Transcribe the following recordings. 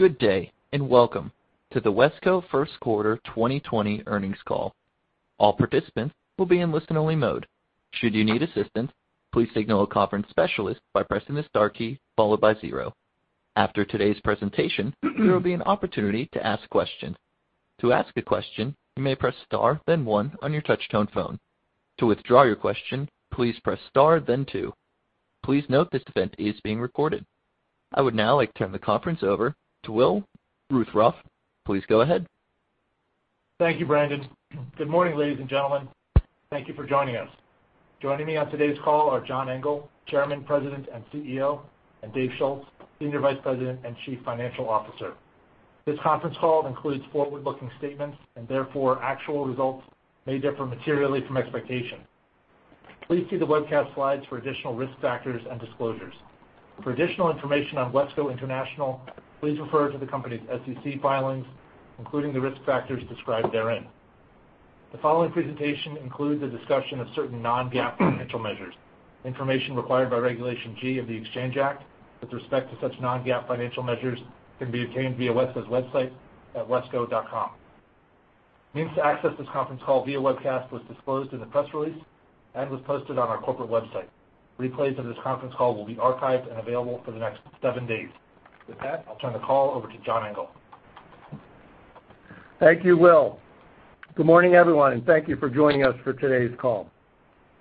Good day, welcome to the Wesco First Quarter 2020 Earnings Call. All participants will be in listen only mode. Should you need assistance, please signal a conference specialist by pressing the star key followed by zero. After today's presentation there will be an opportunity to ask questions. To ask a question, you may press star then one on your touch tone phone. To withdraw your question, please press star then two. Please note this event is being recorded. I would now like to turn the conference over to Will Ruthrauff. Please go ahead. Thank you, Brandon. Good morning, ladies and gentlemen. Thank you for joining us. Joining me on today's call are John Engel, Chairman, President, and CEO, and Dave Schulz, Senior Vice President and Chief Financial Officer. This conference call includes forward-looking statements. Therefore, actual results may differ materially from expectation. Please see the webcast slides for additional risk factors and disclosures. For additional information on Wesco International, please refer to the company's SEC filings, including the risk factors described therein. The following presentation includes a discussion of certain non-GAAP financial measures. Information required by Regulation G of the Exchange Act with respect to such non-GAAP financial measures can be obtained via Wesco's website at wesco.com. Means to access this conference call via webcast was disclosed in the press release and was posted on our corporate website. Replays of this conference call will be archived and available for the next seven days. With that, I'll turn the call over to John Engel. Thank you, Will. Good morning, everyone, thank you for joining us for today's call.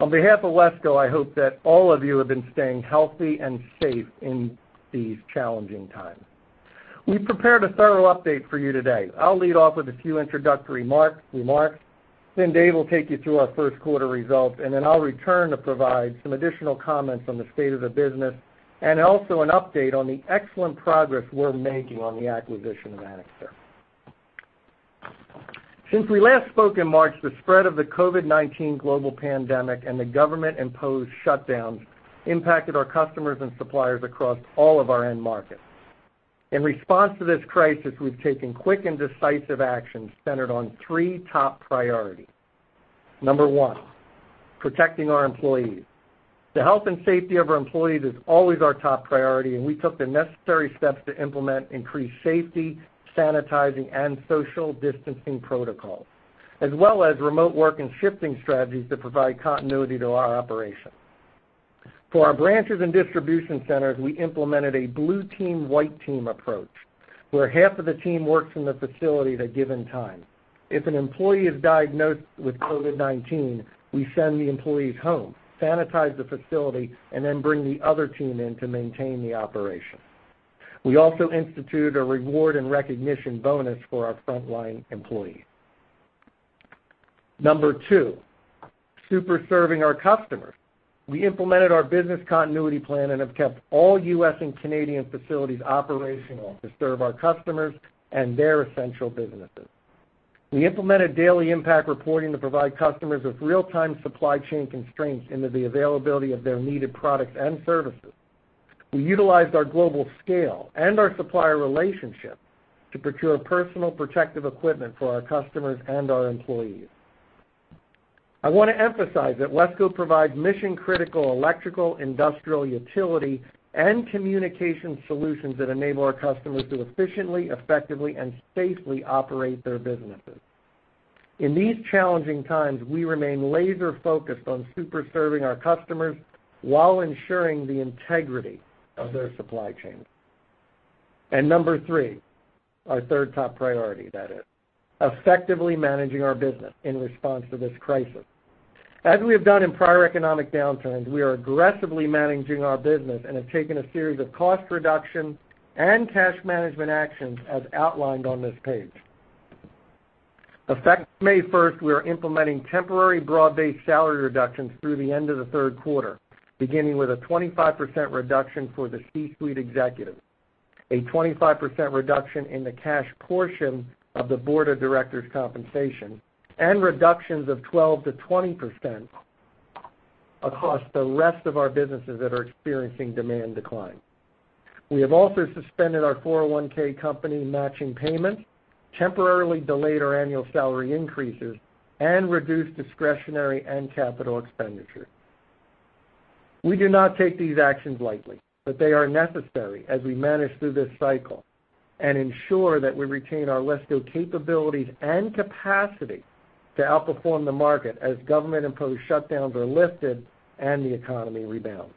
On behalf of Wesco, I hope that all of you have been staying healthy and safe in these challenging times. We've prepared a thorough update for you today. I'll lead off with a few introductory remarks. Dave will take you through our first quarter results, and then I'll return to provide some additional comments on the state of the business, and also an update on the excellent progress we're making on the acquisition of Anixter. Since we last spoke in March, the spread of the COVID-19 global pandemic and the government-imposed shutdowns impacted our customers and suppliers across all of our end markets. In response to this crisis, we've taken quick and decisive action centered on three top priorities. Number one, protecting our employees. The health and safety of our employees is always our top priority, and we took the necessary steps to implement increased safety, sanitizing, and social distancing protocols, as well as remote work and shifting strategies that provide continuity to our operations. For our branches and distribution centers, we implemented a blue team, white team approach, where half of the team works in the facility at a given time. If an employee is diagnosed with COVID-19, we send the employees home, sanitize the facility, and then bring the other team in to maintain the operation. We also institute a reward and recognition bonus for our frontline employees. Number two, super serving our customers. We implemented our business continuity plan and have kept all U.S. and Canadian facilities operational to serve our customers and their essential businesses. We implemented daily impact reporting to provide customers with real-time supply chain constraints into the availability of their needed products and services. We utilized our global scale and our supplier relationships to procure personal protective equipment for our customers and our employees. I want to emphasize that Wesco provides mission-critical electrical, industrial, utility, and communication solutions that enable our customers to efficiently, effectively, and safely operate their businesses. In these challenging times, we remain laser-focused on super serving our customers while ensuring the integrity of their supply chains. Number three, our third top priority, that is, effectively managing our business in response to this crisis. As we have done in prior economic downturns, we are aggressively managing our business and have taken a series of cost reduction and cash management actions as outlined on this page. Effective May 1st, we are implementing temporary broad-based salary reductions through the end of the third quarter, beginning with a 25% reduction for the C-suite executives, a 25% reduction in the cash portion of the Board of Directors' compensation, and reductions of 12%-20% across the rest of our businesses that are experiencing demand decline. We have also suspended our 401(k) company matching payments, temporarily delayed our annual salary increases, and reduced discretionary and capital expenditures. We do not take these actions lightly, but they are necessary as we manage through this cycle and ensure that we retain our Wesco capabilities and capacity to outperform the market as government-imposed shutdowns are lifted and the economy rebounds.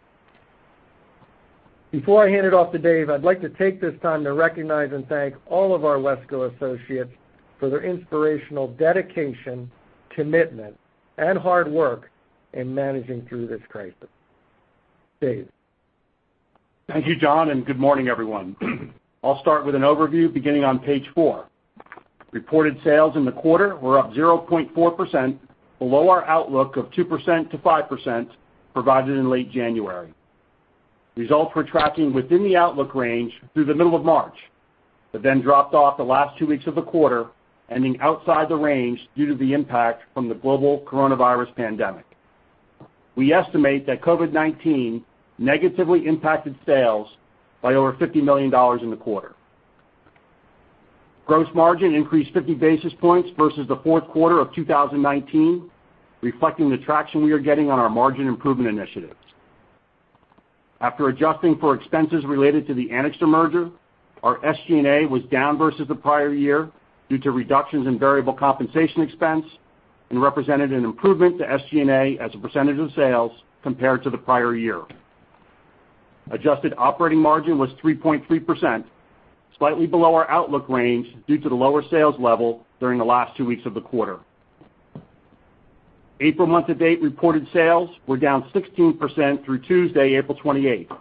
Before I hand it off to Dave, I'd like to take this time to recognize and thank all of our Wesco associates for their inspirational dedication, commitment, and hard work in managing through this crisis. Dave. Thank you, John, and good morning, everyone. I'll start with an overview beginning on page four. Reported sales in the quarter were up 0.4%, below our outlook of 2%-5% provided in late January. Results were tracking within the outlook range through the middle of March, dropped off the last two weeks of the quarter, ending outside the range due to the impact from the global coronavirus pandemic. We estimate that COVID-19 negatively impacted sales by over $50 million in the quarter. Gross margin increased 50 basis points versus the fourth quarter of 2019, reflecting the traction we are getting on our margin improvement initiatives. After adjusting for expenses related to the Anixter merger, our SG&A was down versus the prior-year due to reductions in variable compensation expense, and represented an improvement to SG&A as a percentage of sales compared to the prior-year. Adjusted operating margin was 3.3%, slightly below our outlook range due to the lower sales level during the last two weeks of the quarter. April month-to-date reported sales were down 16% through Tuesday, April 28th.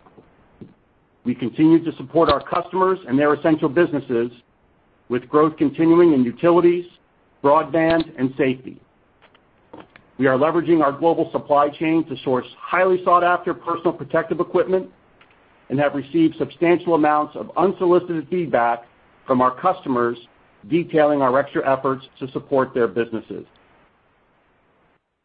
We continue to support our customers and their essential businesses with growth continuing in utilities, broadband, and safety. We are leveraging our global supply chain to source highly sought-after personal protective equipment and have received substantial amounts of unsolicited feedback from our customers detailing our extra efforts to support their businesses.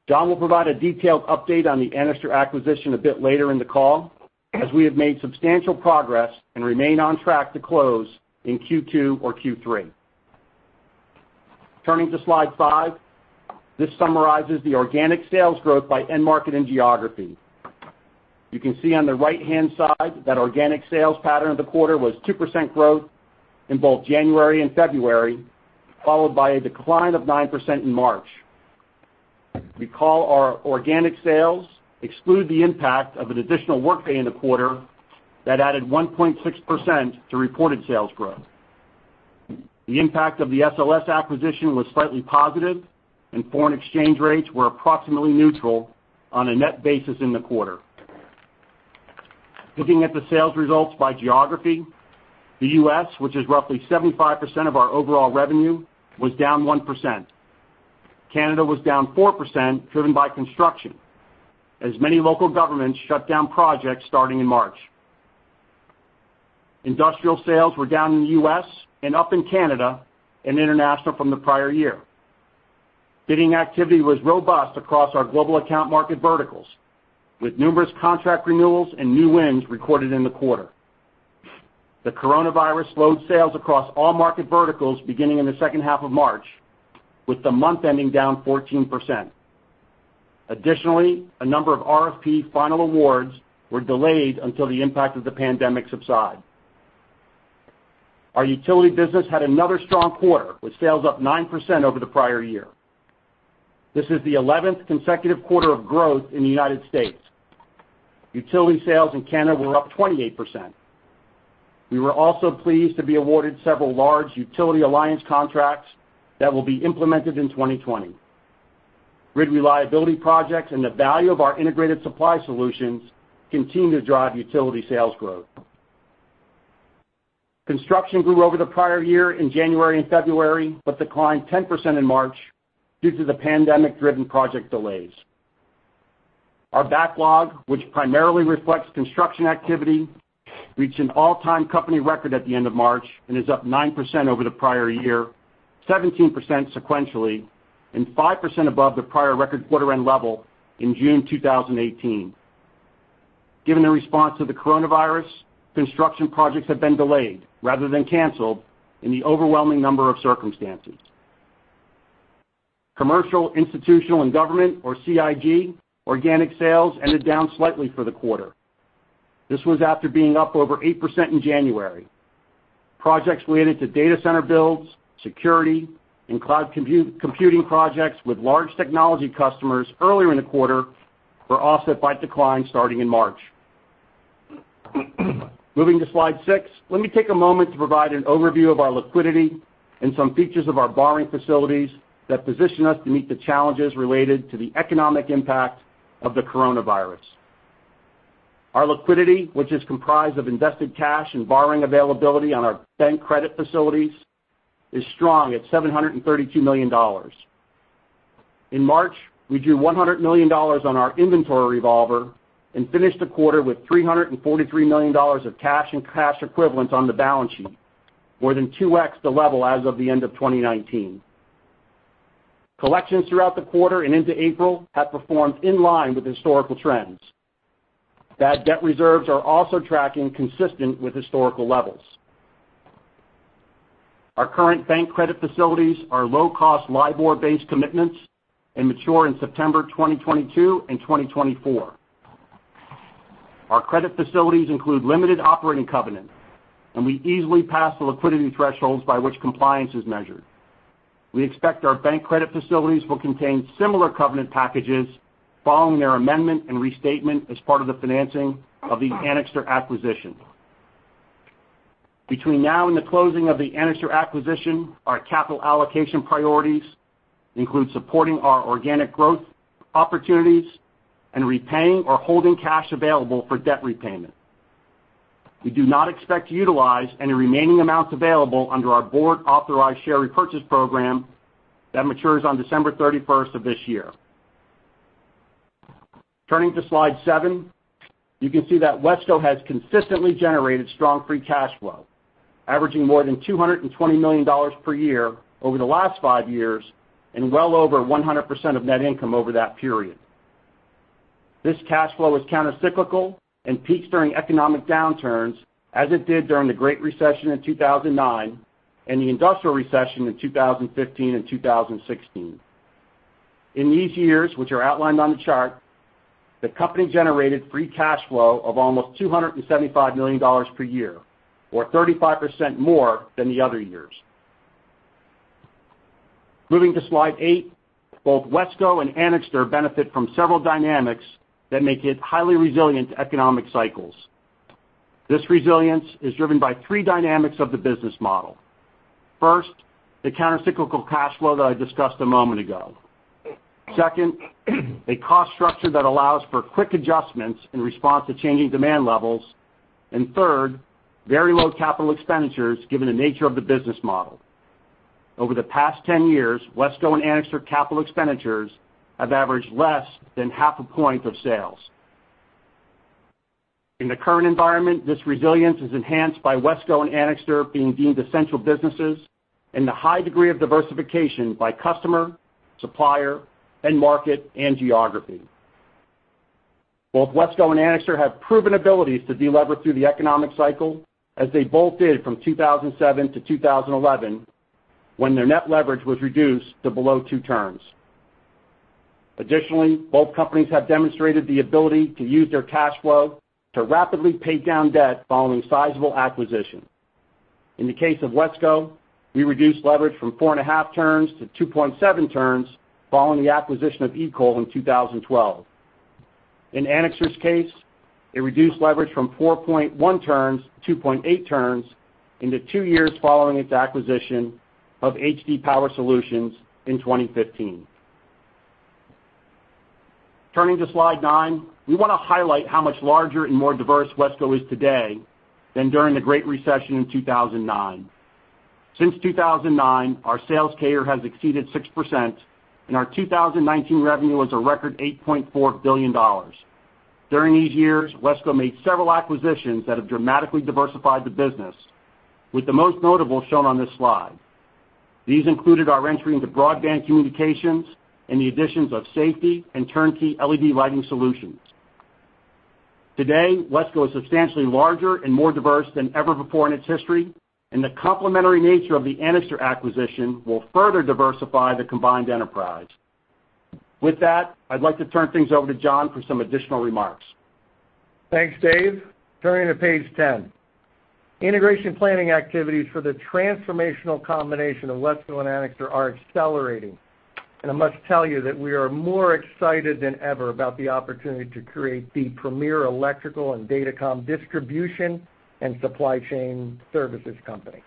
John will provide a detailed update on the Anixter acquisition a bit later in the call, as we have made substantial progress and remain on track to close in Q2 or Q3. Turning to slide five. This summarizes the organic sales growth by end market and geography. You can see on the right-hand side that organic sales pattern of the quarter was 2% growth in both January and February, followed by a decline of 9% in March. Recall our organic sales exclude the impact of an additional workday in the quarter that added 1.6% to reported sales growth. The impact of the SLS acquisition was slightly positive, and foreign exchange rates were approximately neutral on a net basis in the quarter. Looking at the sales results by geography, the U.S., which is roughly 75% of our overall revenue, was down 1%. Canada was down 4%, driven by construction, as many local governments shut down projects starting in March. Industrial sales were down in the U.S. and up in Canada and international from the prior-year. Bidding activity was robust across our global account market verticals, with numerous contract renewals and new wins recorded in the quarter. The coronavirus slowed sales across all market verticals beginning in the second half of March, with the month ending down 14%. Additionally, a number of RFP final awards were delayed until the impact of the pandemic subside. Our utility business had another strong quarter with sales up 9% over the prior-year. This is the 11th consecutive quarter of growth in the United States. Utility sales in Canada were up 28%. We were also pleased to be awarded several large utility alliance contracts that will be implemented in 2020. Grid reliability projects and the value of our integrated supply solutions continue to drive utility sales growth. Construction grew over the prior-year in January and February, but declined 10% in March due to the pandemic-driven project delays. Our backlog, which primarily reflects construction activity, reached an all-time company record at the end of March and is up 9% over the prior-year, 17% sequentially, and 5% above the prior record quarter end level in June 2018. Given the response to the coronavirus, construction projects have been delayed rather than canceled in the overwhelming number of circumstances. Commercial, institutional, and government, or CIG, organic sales ended down slightly for the quarter. This was after being up over 8% in January. Projects related to data center builds, security, and cloud computing projects with large technology customers earlier in the quarter were offset by decline starting in March. Moving to slide six, let me take a moment to provide an overview of our liquidity and some features of our borrowing facilities that position us to meet the challenges related to the economic impact of the coronavirus. Our liquidity, which is comprised of invested cash and borrowing availability on our bank credit facilities, is strong at $732 million. In March, we drew $100 million on our inventory revolver and finished the quarter with $343 million of cash and cash equivalents on the balance sheet, more than 2x the level as of the end of 2019. Collections throughout the quarter and into April have performed in line with historical trends. Bad debt reserves are also tracking consistent with historical levels. Our current bank credit facilities are low-cost LIBOR-based commitments and mature in September 2022 and 2024. Our credit facilities include limited operating covenants. We easily pass the liquidity thresholds by which compliance is measured. We expect our bank credit facilities will contain similar covenant packages following their amendment and restatement as part of the financing of the Anixter acquisition. Between now and the closing of the Anixter acquisition, our capital allocation priorities include supporting our organic growth opportunities and repaying or holding cash available for debt repayment. We do not expect to utilize any remaining amounts available under our board-authorized share repurchase program that matures on December 31st of this year. Turning to slide seven, you can see that Wesco has consistently generated strong free cash flow, averaging more than $220 million per year over the last five years and well over 100% of net income over that period. This cash flow is countercyclical and peaks during economic downturns, as it did during the Great Recession in 2009 and the industrial recession in 2015 and 2016. In these years, which are outlined on the chart, the company generated free cash flow of almost $275 million per year, or 35% more than the other years. Moving to slide eight, both Wesco and Anixter benefit from several dynamics that make it highly resilient to economic cycles. This resilience is driven by three dynamics of the business model. First, the countercyclical cash flow that I discussed a moment ago. Second, a cost structure that allows for quick adjustments in response to changing demand levels. Third, very low capital expenditures, given the nature of the business model. Over the past 10 years, Wesco and Anixter capital expenditures have averaged less than half a point of sales. In the current environment, this resilience is enhanced by Wesco and Anixter being deemed essential businesses, and the high degree of diversification by customer, supplier, end market, and geography. Both Wesco and Anixter have proven abilities to de-lever through the economic cycle, as they both did from 2007 to 2011, when their net leverage was reduced to below two turns. Additionally, both companies have demonstrated the ability to use their cash flow to rapidly pay down debt following sizable acquisition. In the case of Wesco, we reduced leverage from 4.5 turns to 2.7 turns following the acquisition of EECOL Electric in 2012. In Anixter's case, it reduced leverage from 4.1 turns to 2.8 turns in the two years following its acquisition of HD Power Solutions in 2015. Turning to slide nine, we want to highlight how much larger and more diverse Wesco is today than during the Great Recession in 2009. Since 2009, our sales CAGR has exceeded 6%, and our 2019 revenue was a record $8.4 billion. During these years, Wesco made several acquisitions that have dramatically diversified the business, with the most notable shown on this slide. These included our entry into broadband communications and the additions of safety and turnkey LED lighting solutions. Today, Wesco is substantially larger and more diverse than ever before in its history, and the complementary nature of the Anixter acquisition will further diversify the combined enterprise. With that, I'd like to turn things over to John for some additional remarks. Thanks, Dave. Turning to page 10. Integration planning activities for the transformational combination of Wesco and Anixter are accelerating. I must tell you that we are more excited than ever about the opportunity to create the premier electrical and datacom distribution and supply chain services company.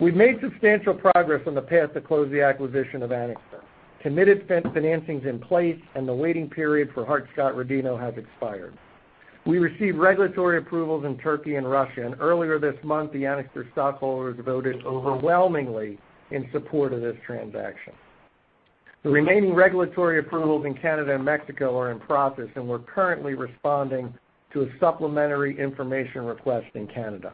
We've made substantial progress on the path to close the acquisition of Anixter. Committed financings in place, and the waiting period for Hart-Scott-Rodino has expired. We received regulatory approvals in Turkey and Russia, and earlier this month, the Anixter stockholders voted overwhelmingly in support of this transaction. The remaining regulatory approvals in Canada and Mexico are in process, and we're currently responding to a supplementary information request in Canada.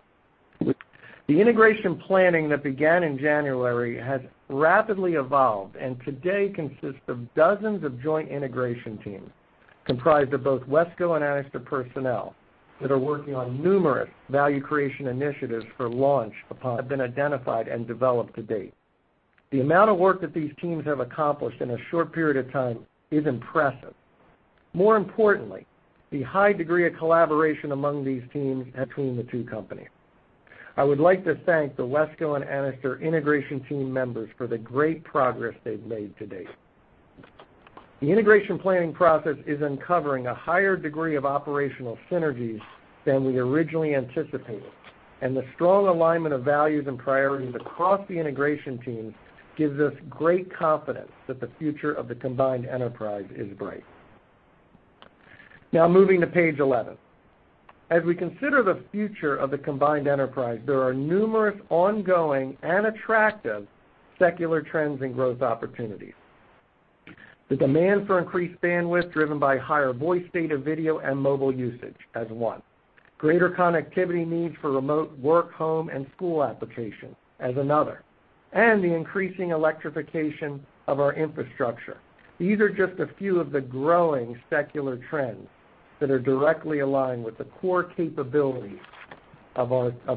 The integration planning that began in January has rapidly evolved and today consists of dozens of joint integration teams comprised of both Wesco and Anixter personnel that are working on numerous value creation initiatives for launch have been identified and developed to date. The amount of work that these teams have accomplished in a short period of time is impressive. More importantly, the high degree of collaboration among these teams between the two companies. I would like to thank the Wesco and Anixter integration team members for the great progress they've made to date. The integration planning process is uncovering a higher degree of operational synergies than we originally anticipated, and the strong alignment of values and priorities across the integration team gives us great confidence that the future of the combined enterprise is bright. Now, moving to page 11. As we consider the future of the combined enterprise, there are numerous ongoing and attractive secular trends and growth opportunities. The demand for increased bandwidth driven by higher voice, data, video, and mobile usage, as one. Greater connectivity needs for remote work, home, and school applications, as another. The increasing electrification of our infrastructure. These are just a few of the growing secular trends that are directly aligned with the core capabilities of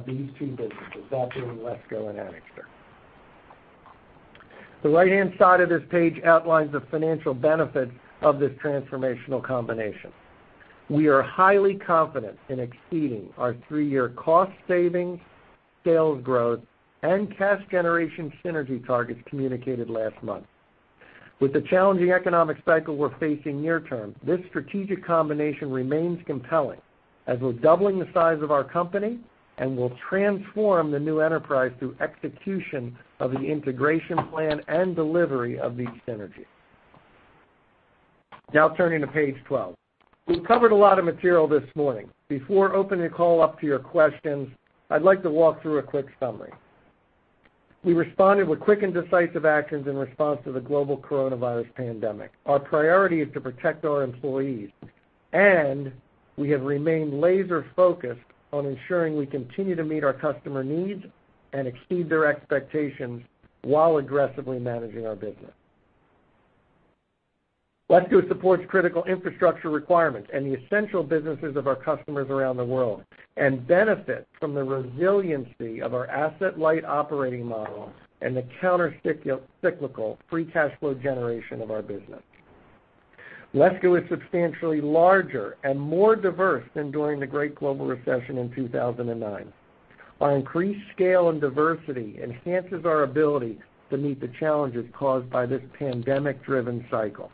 these two businesses, that being Wesco and Anixter. The right-hand side of this page outlines the financial benefits of this transformational combination. We are highly confident in exceeding our three-year cost savings, sales growth, and cash generation synergy targets communicated last month. With the challenging economic cycle we're facing near term, this strategic combination remains compelling, as we're doubling the size of our company and will transform the new enterprise through execution of the integration plan and delivery of these synergies. Turning to page 12. We've covered a lot of material this morning. Before opening the call up to your questions, I'd like to walk through a quick summary. We responded with quick and decisive actions in response to the global coronavirus pandemic. Our priority is to protect our employees, and we have remained laser-focused on ensuring we continue to meet our customer needs and exceed their expectations while aggressively managing our business. Wesco supports critical infrastructure requirements and the essential businesses of our customers around the world and benefits from the resiliency of our asset-light operating model and the counter-cyclical free cash flow generation of our business. Wesco is substantially larger and more diverse than during the Great Global Recession in 2009. Our increased scale and diversity enhances our ability to meet the challenges caused by this pandemic-driven cycle.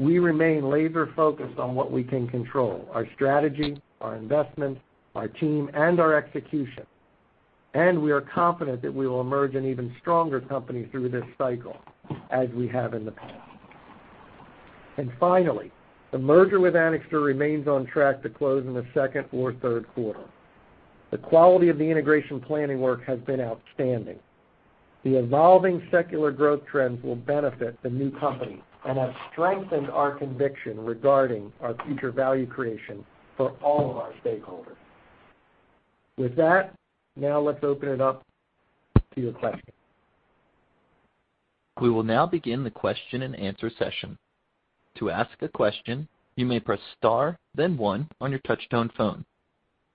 We remain laser-focused on what we can control: our strategy, our investment, our team, and our execution, and we are confident that we will emerge an even stronger company through this cycle, as we have in the past. Finally, the merger with Anixter remains on track to close in the second or third quarter. The quality of the integration planning work has been outstanding. The evolving secular growth trends will benefit the new company and have strengthened our conviction regarding our future value creation for all of our stakeholders. With that, now let's open it up to your questions. We will now begin the question and answer session. To ask a question, you may press star then one on your touch-tone phone.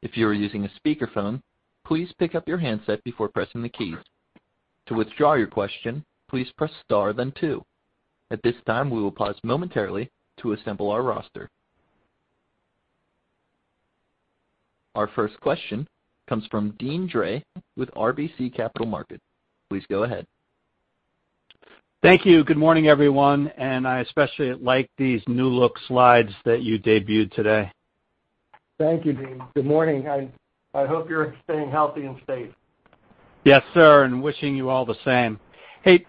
If you are using a speakerphone, please pick up your handset before pressing the keys. To withdraw your question, please press star then two. At this time, we will pause momentarily to assemble our roster. Our first question comes from Deane Dray with RBC Capital Markets. Please go ahead. Thank you. Good morning, everyone, and I especially like these new-look slides that you debuted today. Thank you, Deane. Good morning. I hope you're staying healthy and safe. Yes, sir, wishing you all the same. Hey,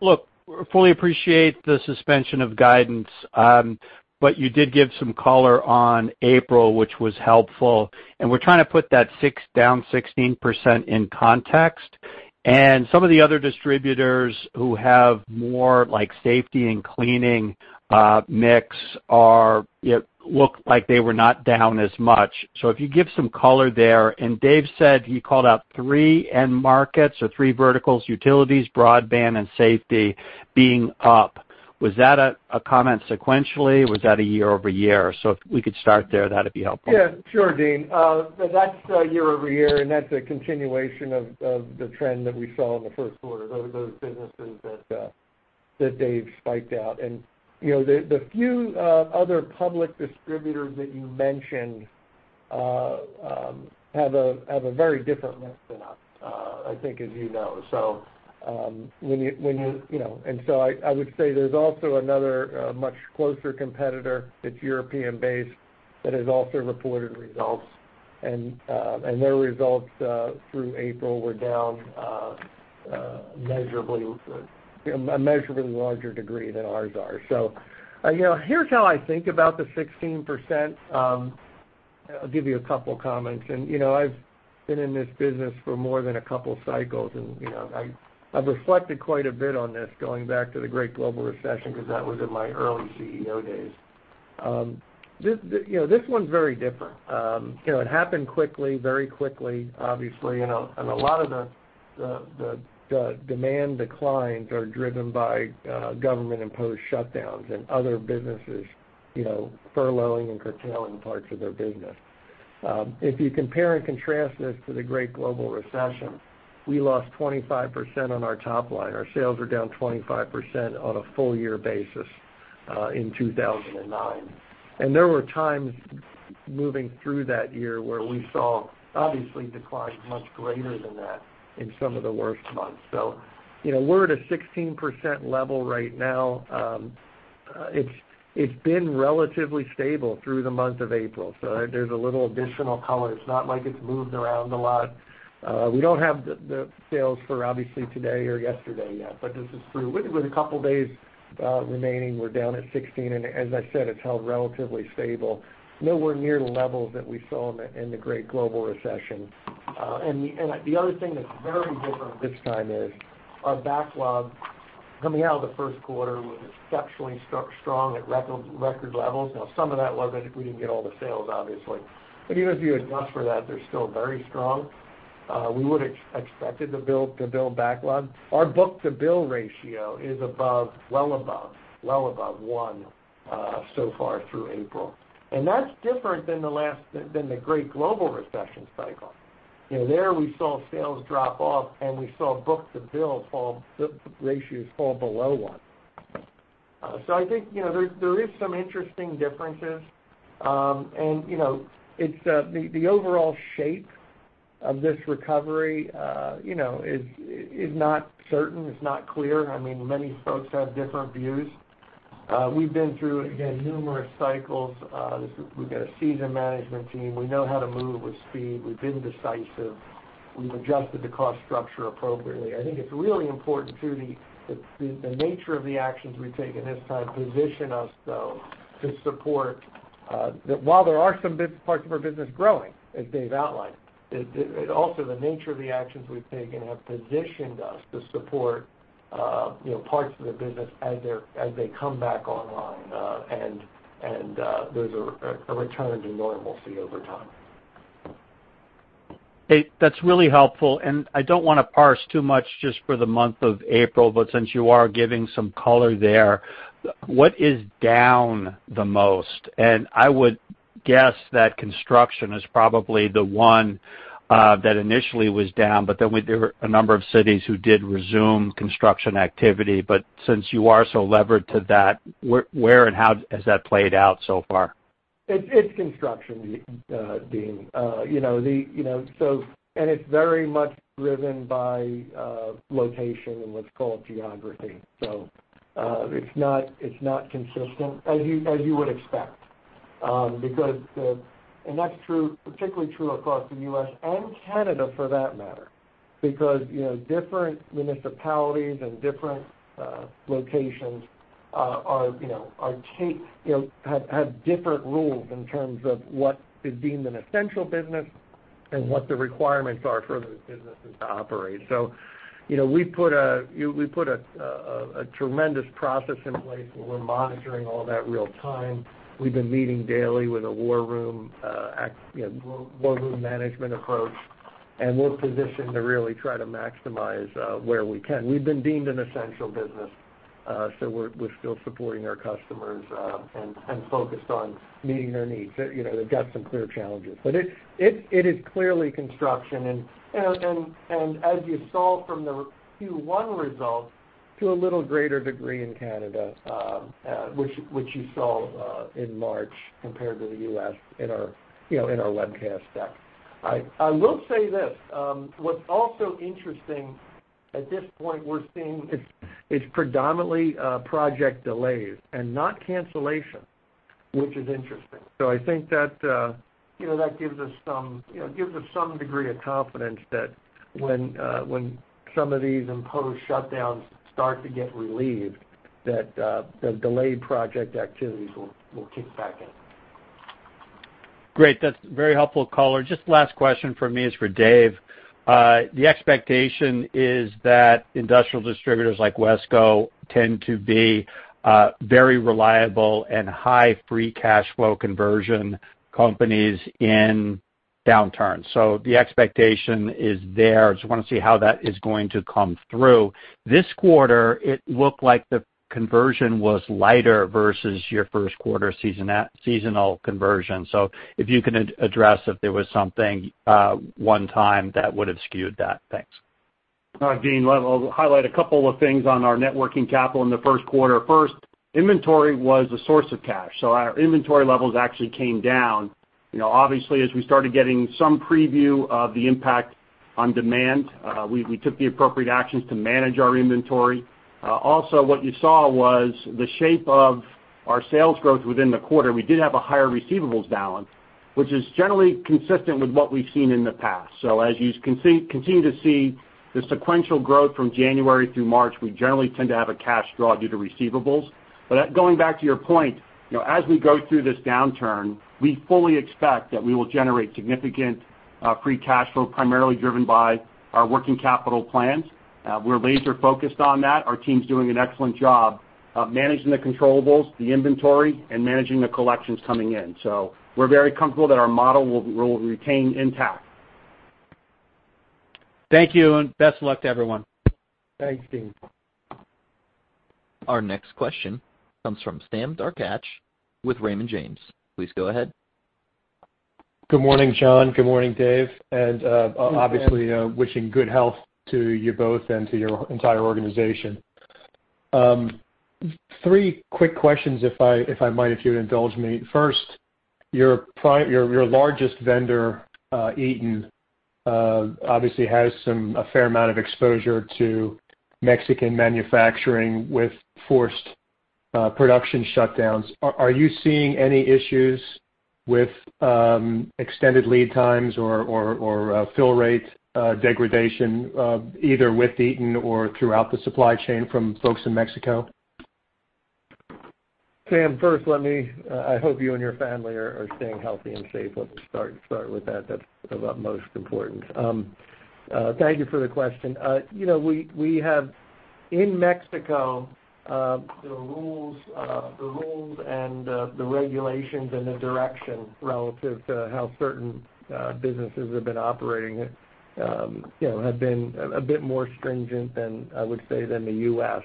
look, we fully appreciate the suspension of guidance, but you did give some color on April, which was helpful, and we're trying to put that down 16% in context. Some of the other distributors who have more safety and cleaning mix look like they were not down as much. If you give some color there, and Dave said he called out three end markets or three verticals, utilities, broadband, and safety being up. Was that a comment sequentially? Was that a year-over-year? If we could start there, that'd be helpful. Yeah, sure, Deane. That's year-over-year. That's a continuation of the trend that we saw in the first quarter, those businesses that Dave spiked out. The few other public distributors that you mentioned have a very different mix than us, I think as you know. I would say there's also another much closer competitor that's European-based that has also reported results. Their results through April were down a measurably larger degree than ours are. Here's how I think about the 16%. I'll give you a couple comments. I've been in this business for more than a couple of cycles, and I've reflected quite a bit on this going back to the Great Global Recession because that was in my early CEO days. This one's very different. It happened quickly, very quickly, obviously, and a lot of the demand declines are driven by government-imposed shutdowns and other businesses furloughing and curtailing parts of their business. If you compare and contrast this to the Great Global Recession, we lost 25% on our top-line. Our sales were down 25% on a full-year basis in 2009. There were times moving through that year where we saw obviously declines much greater than that in some of the worst months. We're at a 16% level right now. It's been relatively stable through the month of April. There's a little additional color. It's not like it's moved around a lot. We don't have the sales for obviously today or yesterday yet, but this is through with a couple of days remaining, we're down at 16%. As I said, it's held relatively stable, nowhere near the levels that we saw in the Great Global Recession. The other thing that's very different this time is our backlog coming out of the first quarter was exceptionally strong at record levels. Now, some of that was we didn't get all the sales, obviously. Even if you adjust for that, they're still very strong. We would expect it to build backlog. Our book-to-bill ratio is well above one so far through April, and that's different than the Great Global Recession cycle. There we saw sales drop off, and we saw book-to-bill ratios fall below one. I think there is some interesting differences. The overall shape of this recovery is not certain, is not clear. Many folks have different views. We've been through, again, numerous cycles. We've got a seasoned management team. We know how to move with speed. We've been decisive. We've adjusted the cost structure appropriately. I think it's really important, too, the nature of the actions we've taken this time position us, though, to support while there are some parts of our business growing, as Dave outlined, also the nature of the actions we've taken have positioned us to support parts of the business as they come back online and there's a return to normalcy over time. Hey, that's really helpful. I don't want to parse too much just for the month of April, but since you are giving some color there, what is down the most? I would guess that construction is probably the one that initially was down, but then there were a number of cities who did resume construction activity. Since you are so levered to that, where and how has that played out so far? It's construction, Deane. It's very much driven by location and what's called geography. It's not consistent, as you would expect. That's particularly true across the U.S., and Canada for that matter, because different municipalities and different locations have different rules in terms of what is deemed an essential business and what the requirements are for those businesses to operate. We put a tremendous process in place where we're monitoring all that real time. We've been meeting daily with a war room management approach, and we're positioned to really try to maximize where we can. We've been deemed an essential business, so we're still supporting our customers and focused on meeting their needs. They've got some clear challenges. It is clearly construction, and as you saw from the Q1 results, to a little greater degree in Canada, which you saw in March compared to the U.S. in our webcast deck. I will say this, what's also interesting at this point we're seeing it's predominantly project delays and not cancellation, which is interesting. I think that gives us some degree of confidence that when some of these imposed shutdowns start to get relieved, that the delayed project activities will kick back in. Great. That's very helpful color. Just last question from me is for Dave. The expectation is that industrial distributors like Wesco tend to be very reliable and high free cash flow conversion companies in downturns. The expectation is there, I just want to see how that is going to come through. This quarter, it looked like the conversion was lighter versus your first quarter seasonal conversion. If you can address if there was something one time that would have skewed that. Thanks. All right, Deane, I'll highlight a couple of things on our networking capital in the first quarter. First, inventory was a source of cash, so our inventory levels actually came down. Obviously, as we started getting some preview of the impact on demand, we took the appropriate actions to manage our inventory. What you saw was the shape of our sales growth within the quarter. We did have a higher receivables balance, which is generally consistent with what we've seen in the past. As you continue to see the sequential growth from January through March, we generally tend to have a cash draw due to receivables. Going back to your point, as we go through this downturn, we fully expect that we will generate significant free cash flow, primarily driven by our working capital plans. We're laser focused on that. Our team's doing an excellent job of managing the controllables, the inventory, and managing the collections coming in. We're very comfortable that our model will retain intact. Thank you, and best of luck to everyone. Thanks, Deane. Our next question comes from Sam Darkatsh with Raymond James. Please go ahead. Good morning, John. Good morning, Dave. Good morning. Obviously wishing good health to you both and to your entire organization. Three quick questions, if I might, if you'd indulge me. First, your largest vendor, Eaton, obviously has a fair amount of exposure to Mexican manufacturing with forced production shutdowns. Are you seeing any issues with extended lead times or fill rate degradation, either with Eaton or throughout the supply chain from folks in Mexico? Sam, first, I hope you and your family are staying healthy and safe. Let me start with that. That's of utmost importance. Thank you for the question. We have in Mexico, the rules and the regulations and the direction relative to how certain businesses have been operating have been a bit more stringent, I would say, than the U.S.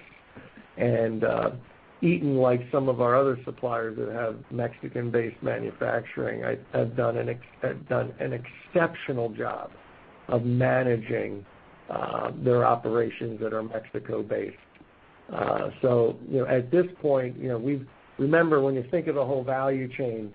Eaton, like some of our other suppliers that have Mexican-based manufacturing, have done an exceptional job of managing their operations that are Mexico based. At this point, remember, when you think of the whole value chain,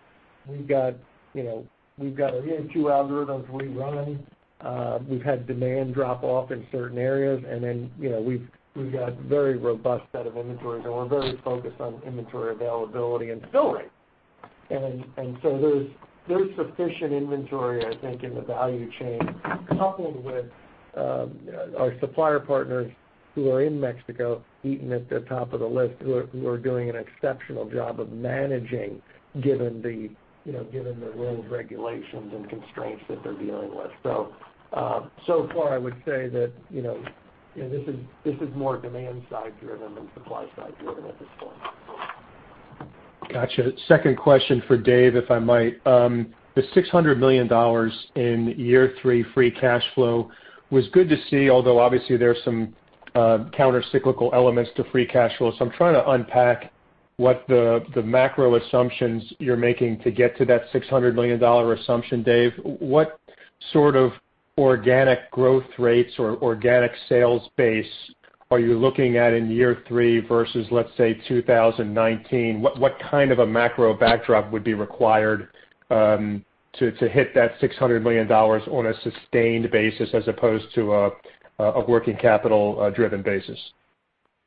we've got our EOQ algorithms re-run. We've had demand drop off in certain areas, and then we've got a very robust set of inventory. We're very focused on inventory availability and fill rate. There's sufficient inventory, I think, in the value chain, coupled with our supplier partners who are in Mexico, Eaton at the top of the list, who are doing an exceptional job of managing, given the rules, regulations, and constraints that they're dealing with. So far I would say that this is more demand side driven than supply side driven at this point. Gotcha. Second question for Dave, if I might. The $600 million in year three free cash flow was good to see, although obviously there are some counter-cyclical elements to free cash flow. I'm trying to unpack what the macro assumptions you're making to get to that $600 million assumption, Dave. What sort of organic growth rates or organic sales base are you looking at in year three versus, let's say, 2019? What kind of a macro backdrop would be required to hit that $600 million on a sustained basis as opposed to a working capital driven basis?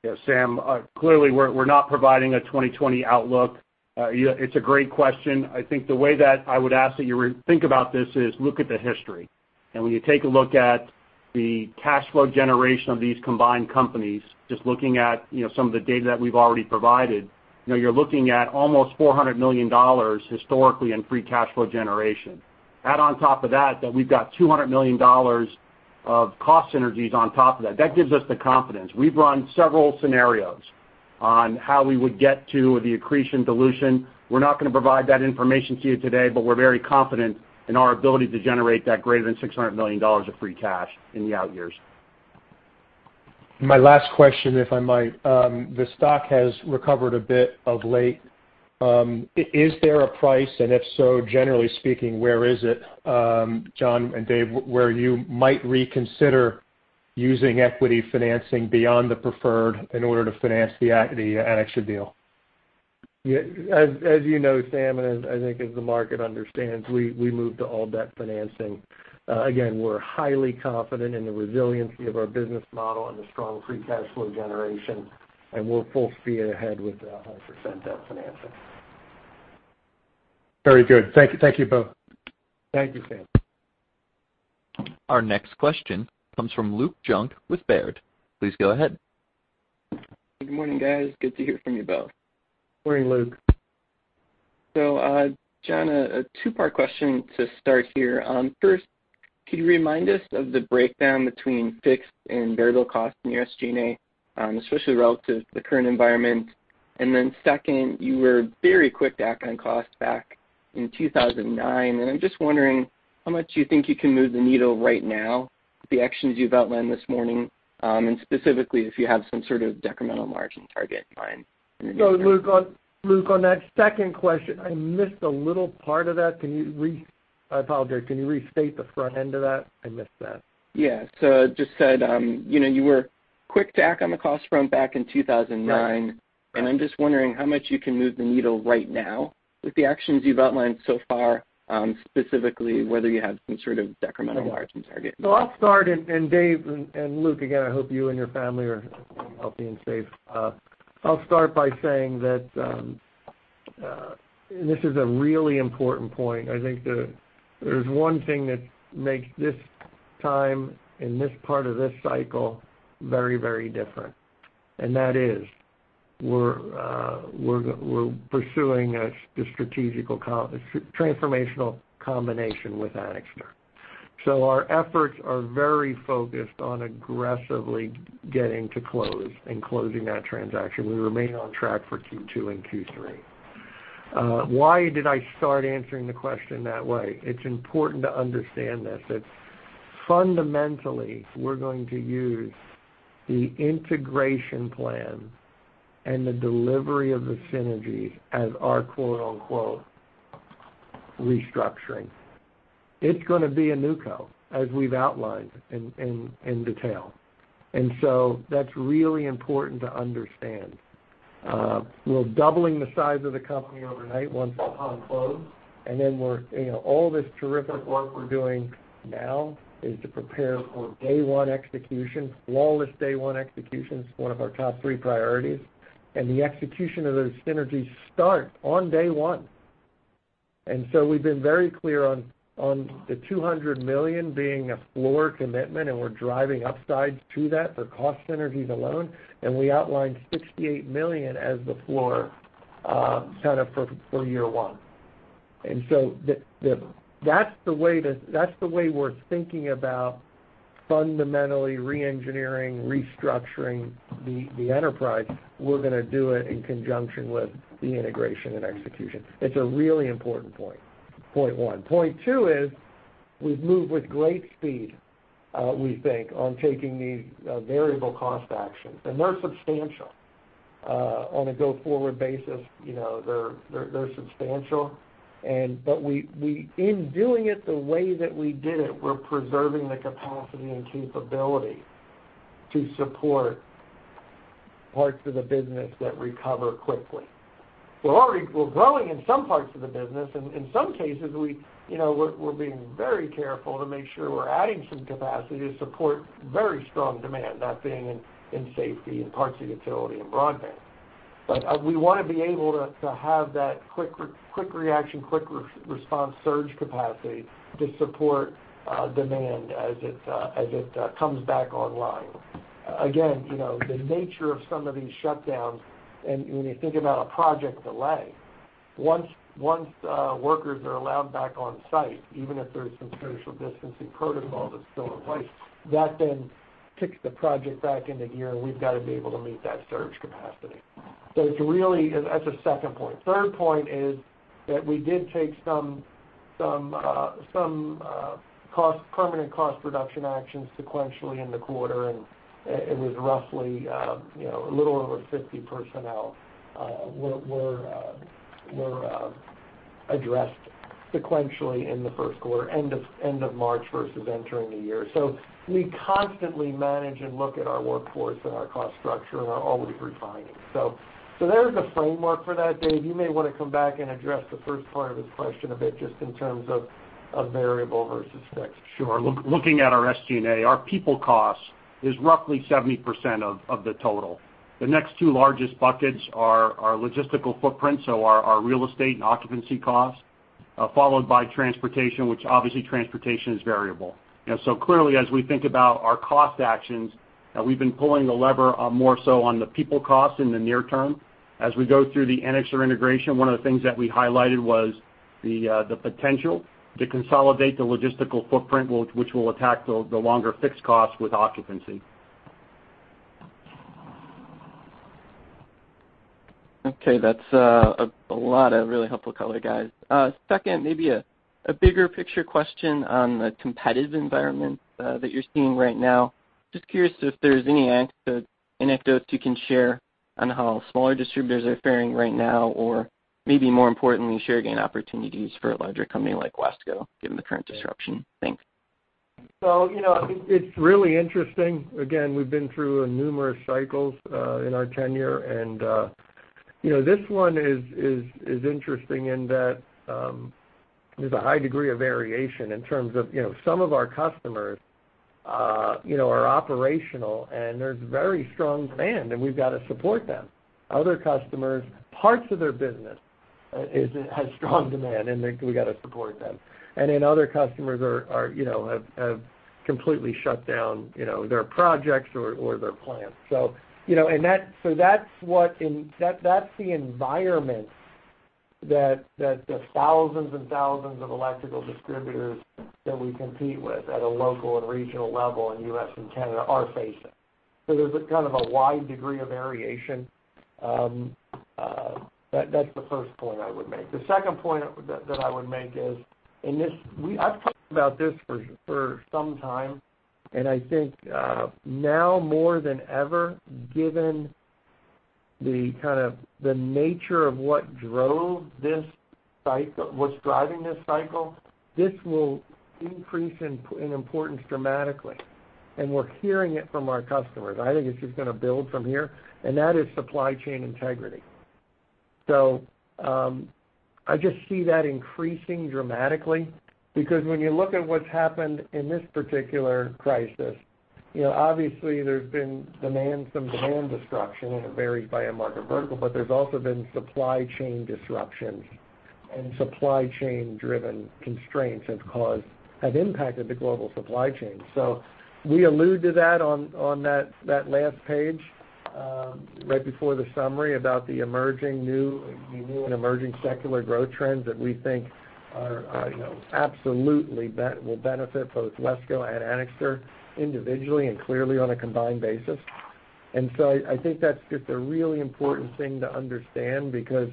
Yeah, Sam, clearly we're not providing a 2020 outlook. It's a great question. I think the way that I would ask that you think about this is look at the history. When you take a look at the cash flow generation of these combined companies, just looking at some of the data that we've already provided, you're looking at almost $400 million historically in free cash flow generation. Add on top of that we've got $200 million of cost synergies on top of that. That gives us the confidence. We've run several scenarios on how we would get to the accretion dilution. We're not going to provide that information to you today, we're very confident in our ability to generate that greater than $600 million of free cash in the out years. My last question, if I might. The stock has recovered a bit of late. Is there a price? If so, generally speaking, where is it, John and Dave, where you might reconsider using equity financing beyond the preferred in order to finance the Anixter deal? As you know, Sam, and as I think as the market understands, we moved to all debt financing. Again, we're highly confident in the resiliency of our business model and the strong free cash flow generation, and we're full speed ahead with 100% debt financing. Very good. Thank you both. Thank you, Sam. Our next question comes from Luke Junk with Baird. Please go ahead. Good morning, guys. Good to hear from you both. Morning, Luke. John, a two-part question to start here. First, could you remind us of the breakdown between fixed and variable costs in your SG&A, especially relative to the current environment? Second, you were very quick to act on cost back in 2009, and I'm just wondering how much you think you can move the needle right now with the actions you've outlined this morning, and specifically if you have some sort of decremental margin target in mind. Luke, on that second question, I missed a little part of that. I apologize, can you restate the front-end of that? I missed that. Yeah. Just said, you were quick to act on the cost front back in 2009. I'm just wondering how much you can move the needle right now with the actions you've outlined so far, specifically whether you have some sort of decremental margin target. I'll start. Dave and Luke, again, I hope you and your family are healthy and safe. I'll start by saying that this is a really important point. I think there's one thing that makes this time in this part of this cycle very different. That is we're pursuing a strategical transformational combination with Anixter. Our efforts are very focused on aggressively getting to close and closing that transaction. We remain on track for Q2 and Q3. Why did I start answering the question that way? It's important to understand this, that fundamentally, we're going to use the integration plan and the delivery of the synergies as our quote, unquote, "restructuring." It's going to be a new co, as we've outlined in detail. That's really important to understand. We're doubling the size of the company overnight once upon close. All this terrific work we're doing now is to prepare for day one execution. Flawless day one execution is one of our top three priorities. The execution of those synergies start on day one. We've been very clear on the $200 million being a floor commitment, and we're driving upsides to that for cost synergies alone. We outlined $68 million as the floor setup for year one. That's the way we're thinking about fundamentally re-engineering, restructuring the enterprise. We're going to do it in conjunction with the integration and execution. It's a really important point one. Point two is we've moved with great speed, we think, on taking these variable cost actions. They're substantial. On a go-forward basis they're substantial. In doing it the way that we did it, we're preserving the capacity and capability to support parts of the business that recover quickly. We're growing in some parts of the business, and in some cases we're being very careful to make sure we're adding some capacity to support very strong demand, that being in safety and parts of utility and broadband. We want to be able to have that quick reaction, quick response surge capacity to support demand as it comes back online. Again, the nature of some of these shutdowns, and when you think about a project that lasts Once workers are allowed back on site, even if there's some social distancing protocol that's still in place, that then kicks the project back into gear, and we've got to be able to meet that surge capacity. That's a second point. Third point is that we did take some permanent cost reduction actions sequentially in the quarter, and it was roughly a little over 50 personnel were addressed sequentially in the first quarter, end of March versus entering the year. We constantly manage and look at our workforce and our cost structure, and are always refining. There's the framework for that, Dave. You may want to come back and address the first part of his question a bit, just in terms of variable versus fixed. Sure. Looking at our SG&A, our people cost is roughly 70% of the total. The next two largest buckets are logistical footprint, so our real estate and occupancy costs, followed by transportation, which obviously transportation is variable. Clearly, as we think about our cost actions, we've been pulling the lever more so on the people cost in the near-term. As we go through the Anixter integration, one of the things that we highlighted was the potential to consolidate the logistical footprint, which will attack the longer fixed costs with occupancy. Okay. That's a lot of really helpful color, guys. Second, maybe a bigger picture question on the competitive environment that you're seeing right now. Just curious if there's any anecdotes you can share on how smaller distributors are faring right now, or maybe more importantly, share gain opportunities for a larger company like Wesco, given the current disruption. Thanks. It's really interesting. Again, we've been through numerous cycles, in our tenure, this one is interesting in that there's a high degree of variation in terms of some of our customers are operational and there's very strong demand, and we've got to support them. Other customers, parts of their business has strong demand and we've got to support them. Other customers have completely shut down their projects or their plants. That's the environment that the thousands and thousands of electrical distributors that we compete with at a local and regional level in U.S. and Canada are facing. There's a kind of a wide degree of variation. That's the first point I would make. The second point that I would make is, I've talked about this for some time. I think, now more than ever, given the nature of what's driving this cycle, this will increase in importance dramatically. We're hearing it from our customers. I think it's just going to build from here, and that is supply chain integrity. I just see that increasing dramatically because when you look at what's happened in this particular crisis, obviously there's been some demand disruption, and it varies by end market vertical, but there's also been supply chain disruptions and supply chain driven constraints have impacted the global supply chain. We allude to that on that last page, right before the summary about the new and emerging secular growth trends that we think absolutely will benefit both Wesco and Anixter individually and clearly on a combined basis. I think that's just a really important thing to understand because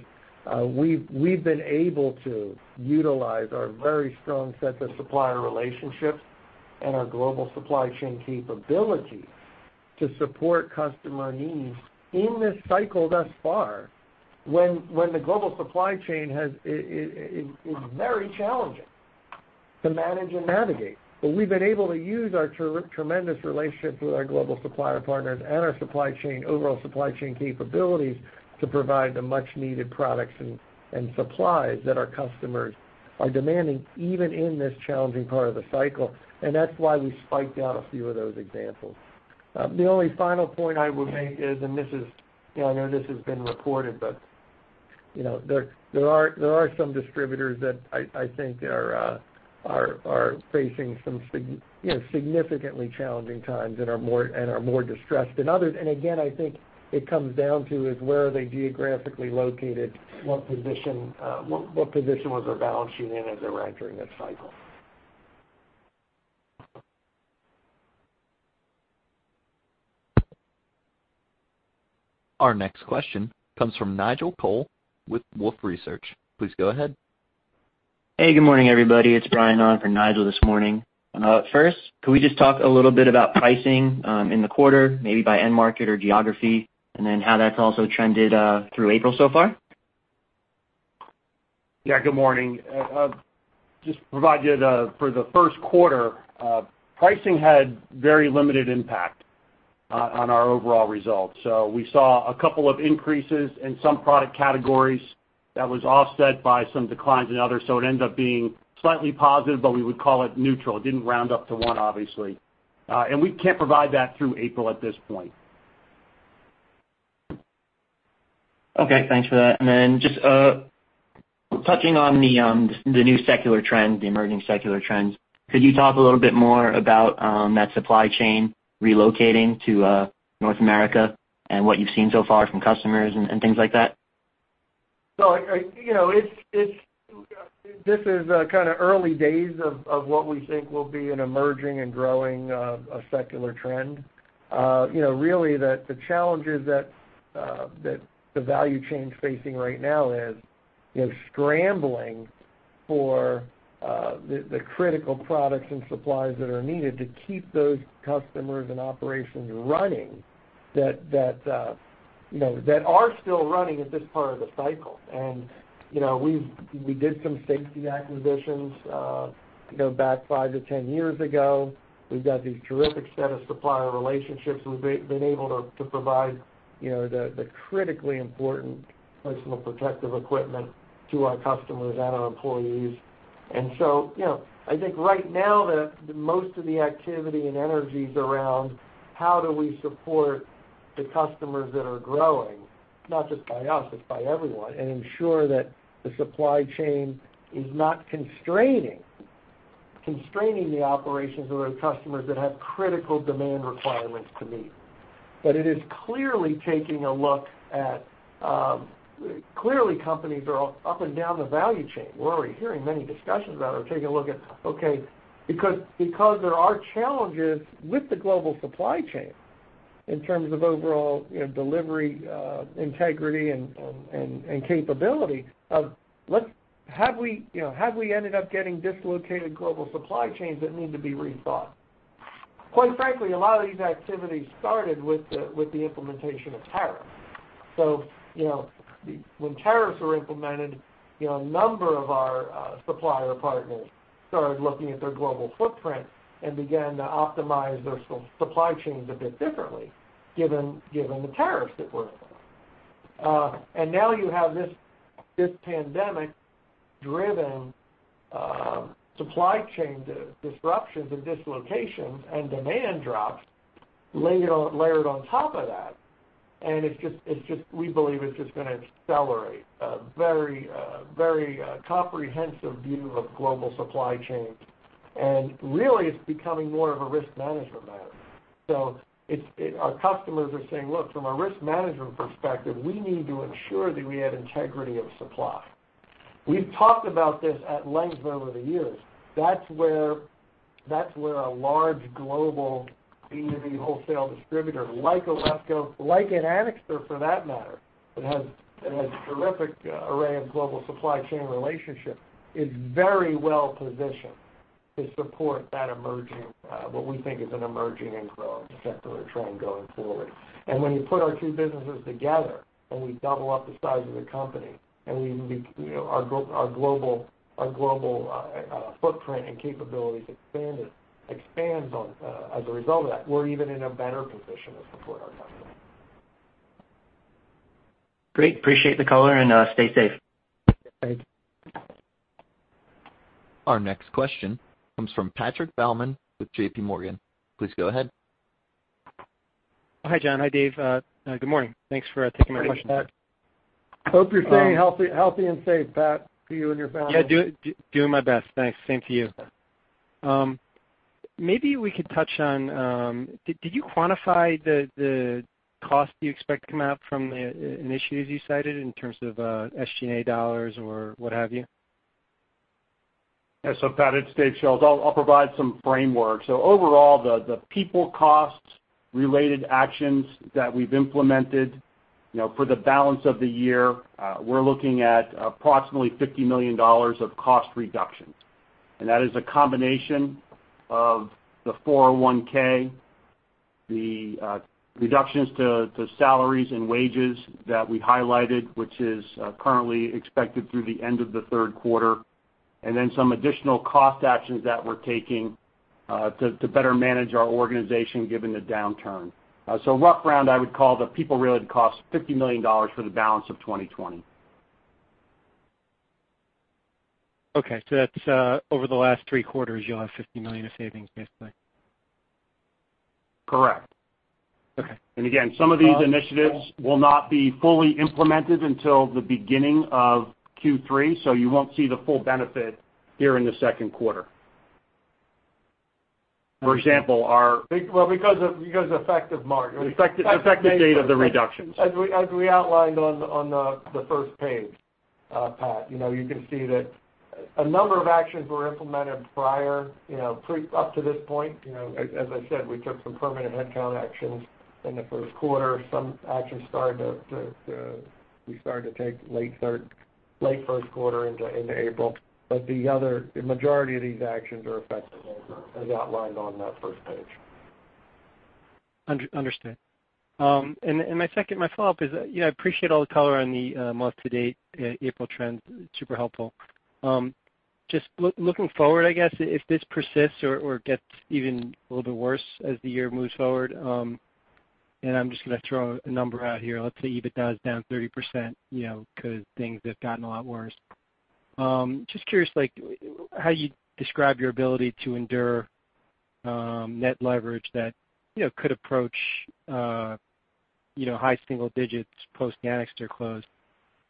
we've been able to utilize our very strong sets of supplier relationships and our global supply chain capability to support customer needs in this cycle thus far, when the global supply chain is very challenging to manage and navigate. We've been able to use our tremendous relationships with our global supplier partners and our overall supply chain capabilities to provide the much needed products and supplies that our customers are demanding, even in this challenging part of the cycle. That's why we spiked out a few of those examples. The only final point I would make is, and I know this has been reported, but there are some distributors that I think are facing some significantly challenging times and are more distressed than others. Again, I think it comes down to is where are they geographically located? What position was their balance sheet in as they were entering this cycle? Our next question comes from Nigel Coe with Wolfe Research. Please go ahead. Hey, good morning, everybody. It's Brian on for Nigel this morning. First, could we just talk a little bit about pricing in the quarter, maybe by end market or geography, and then how that's also trended through April so far? Yeah. Good morning. Just to provide you the, for the first quarter, pricing had very limited impact on our overall results. We saw a couple of increases in some product categories that was offset by some declines in others. It ended up being slightly positive, but we would call it neutral. It didn't round up to one, obviously. We can't provide that through April at this point. Okay. Thanks for that. Touching on the new secular trend, the emerging secular trends, could you talk a little bit more about that supply chain relocating to North America and what you've seen so far from customers and things like that? This is kind of early days of what we think will be an emerging and growing secular trend. Really, the challenges that the value chain's facing right now is scrambling for the critical products and supplies that are needed to keep those customers and operations running, that are still running at this part of the cycle. We did some safety acquisitions back 5 to 10 years ago. We've got these terrific set of supplier relationships. We've been able to provide the critically important personal protective equipment to our customers and our employees. I think right now, the most of the activity and energy's around how do we support the customers that are growing, not just by us, it's by everyone, and ensure that the supply chain is not constraining the operations of those customers that have critical demand requirements to meet. It is clearly taking a look at Clearly, companies are up and down the value chain. We're already hearing many discussions about, or taking a look at, okay, because there are challenges with the global supply chain in terms of overall delivery, integrity, and capability of have we ended up getting dislocated global supply chains that need to be rethought? Quite frankly, a lot of these activities started with the implementation of tariffs. When tariffs were implemented, a number of our supplier partners started looking at their global footprint and began to optimize their supply chains a bit differently given the tariffs that were implemented. Now you have this pandemic-driven supply chain disruptions and dislocations and demand drops layered on top of that, and we believe it's just going to accelerate a very comprehensive view of global supply chains. Really, it's becoming more of a risk management matter. Our customers are saying, "Look, from a risk management perspective, we need to ensure that we have integrity of supply." We've talked about this at length over the years. That's where a large global B2B wholesale distributor like Wesco, like an Anixter for that matter, that has a terrific array of global supply chain relationship, is very well positioned to support what we think is an emerging and growing secular trend going forward. When you put our two businesses together, and we double up the size of the company, and our global footprint and capabilities expands as a result of that, we're even in a better position to support our customers. Great. Appreciate the color and, stay safe. Thanks. Our next question comes from Patrick Baumann with JPMorgan. Please go ahead. Hi, John. Hi, Dave. Good morning. Thanks for taking my question. Good morning, Pat. Hope you're staying healthy and safe, Pat, for you and your family. Yeah, doing my best. Thanks. Same to you. Maybe we could touch on, did you quantify the cost you expect to come out from the initiatives you cited in terms of SG&A dollars or what have you? Yeah. Pat, it's Dave. I'll provide some framework. Overall, the people costs related actions that we've implemented, for the balance of the year, we're looking at approximately $50 million of cost reductions. And that is a combination of the 401(k), the reductions to salaries and wages that we highlighted, which is currently expected through the end of the third quarter, and then some additional cost actions that we're taking to better manage our organization given the downturn. Rough round, I would call the people-related costs $50 million for the balance of 2020. Okay. That's over the last three quarters, you'll have $50 million of savings, basically. Correct. Again, some of these initiatives will not be fully implemented until the beginning of Q3, so you won't see the full benefit here in the second quarter. Well, because effective March. Effective date of the reductions. As we outlined on the first page, Pat, you can see that a number of actions were implemented prior, up to this point. As I said, we took some permanent headcount actions in the first quarter. Some actions we started to take late first quarter into April. The majority of these actions are effective as outlined on that first page. Understood. My follow-up is, I appreciate all the color on the month-to-date April trends. Super helpful. Just looking forward, I guess, if this persists or gets even a little bit worse as the year moves forward, and I'm just going to throw a number out here. Let's say EBITDA is down 30% because things have gotten a lot worse. Just curious, how you describe your ability to endure net leverage that could approach high-single-digits post Anixter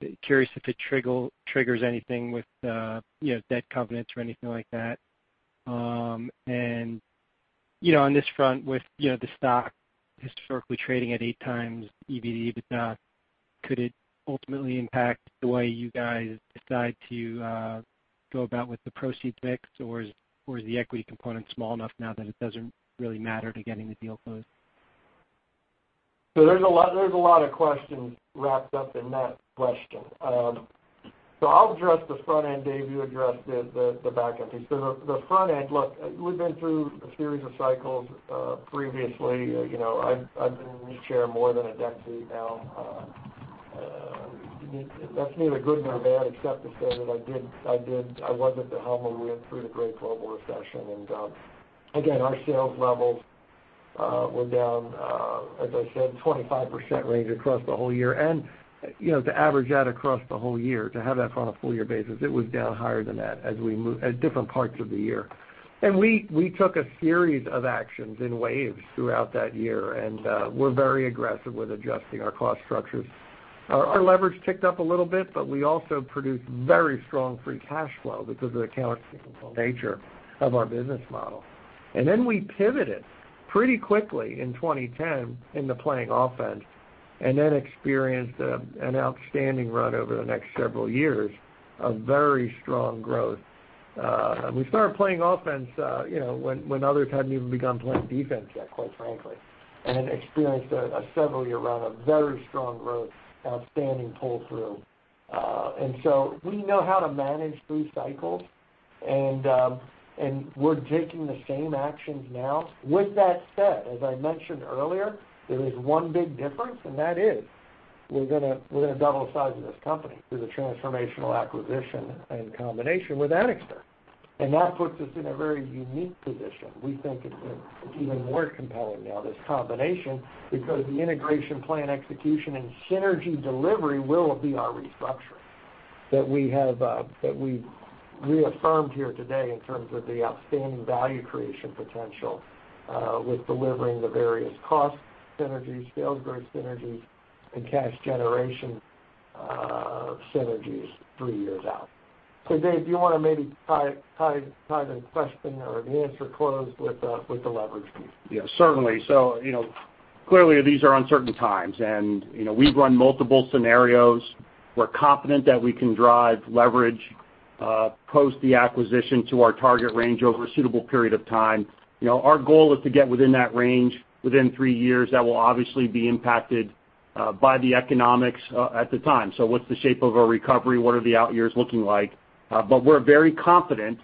close? Curious if it triggers anything with debt covenants or anything like that? On this front with the stock historically trading at 8x EBITDA, could it ultimately impact the way you guys decide to go about with the proceeds mix, or is the equity component small enough now that it doesn't really matter to getting the deal closed? There's a lot of questions wrapped-up in that question. I'll address the front-end, Dave, you address the back-end piece. The front-end, look, we've been through a series of cycles previously. I've been in this chair more than a decade now. That's neither good nor bad except to say that I was at the helm when we went through the great global recession. Again, our sales levels were down, as I said, 25% range across the whole year. The average out across the whole year, to have that on a full-year basis, it was down higher than that at different parts of the year. We took a series of actions in waves throughout that year, and were very aggressive with adjusting our cost structures. Our leverage ticked up a little bit, we also produced very strong free cash flow because of the countercyclical nature of our business model. We pivoted pretty quickly in 2010 into playing offense and then experienced an outstanding run over the next several years of very strong growth. We started playing offense when others hadn't even begun playing defense yet, quite frankly, and experienced a several year run of very strong growth, outstanding pull-through. We know how to manage through cycles and we're taking the same actions now. With that said, as I mentioned earlier, there is one big difference, and that is we're going to double the size of this company through the transformational acquisition and combination with Anixter. That puts us in a very unique position. We think it's even more compelling now, this combination, because the integration plan execution and synergy delivery will be our restructuring that we've reaffirmed here today in terms of the outstanding value creation potential, with delivering the various cost synergies, sales growth synergies, and cash generation synergies three years out. Dave, do you want to maybe tie the question or the answer closed with the leverage piece? Yeah, certainly. Clearly these are uncertain times and we've run multiple scenarios. We're confident that we can drive leverage post the acquisition to our target range over a suitable period of time. Our goal is to get within that range within three years. That will obviously be impacted by the economics at the time. What's the shape of our recovery? What are the out years looking like? We're very confident